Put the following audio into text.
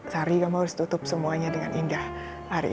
kalau mungkin mem societyar kan masih baru